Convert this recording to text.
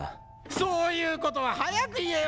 そういうことは早く言えよ！